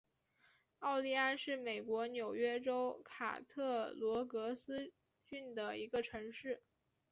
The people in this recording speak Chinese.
奥利安是美国纽约州卡特罗格斯郡的一个城市。